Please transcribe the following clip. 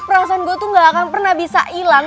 perasaan gue tuh gak akan pernah bisa hilang